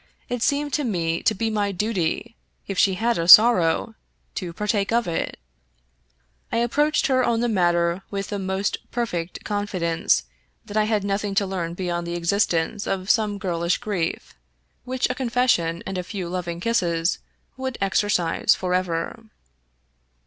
It seemed to me to be my duty, if she had a sorrow, to partake of it I approached her on the matter with the most perfect con* 60 Fitzjames O'Brien fidence that I had nothing to leam beyond the existence of some girlish grief, which a confession and a few loving kisses would exorcise forever.